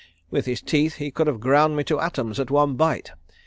With his teeth he could have ground me to atoms at one bite.